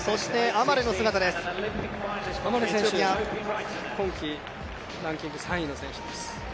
アマレ選手、今季ランキング３位の選手です。